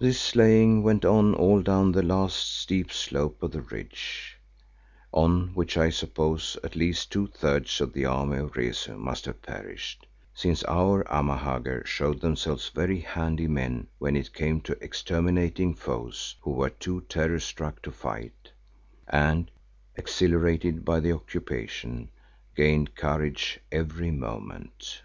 This slaying went on all down the last steep slope of the ridge, on which I suppose at least two thirds of the army of Rezu must have perished, since our Amahagger showed themselves very handy men when it came to exterminating foes who were too terror struck to fight, and, exhilarated by the occupation, gained courage every moment.